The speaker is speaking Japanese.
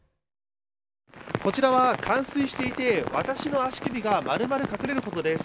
こちらは冠水していて私の足首が丸々隠れるほどです。